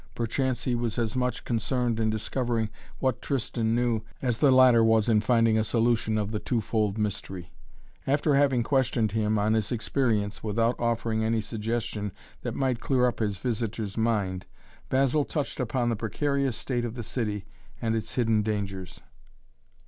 Perchance he was as much concerned in discovering what Tristan knew as the latter was in finding a solution of the two fold mystery. After having questioned him on his experience, without offering any suggestion that might clear up his visitor's mind, Basil touched upon the precarious state of the city and its hidden dangers.